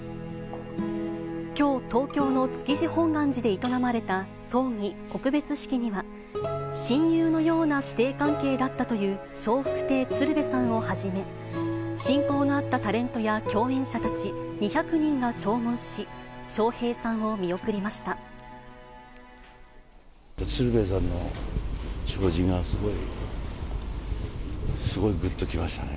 きょう、東京の築地本願寺で営まれた葬儀・告別式には、親友のような師弟関係だったという笑福亭鶴瓶さんをはじめ、親交のあったタレントや共演者たち２００人が弔問し、鶴瓶さんの弔辞が、すごい、すごいぐっときましたね。